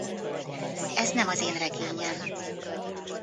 Ez nem az én regényem.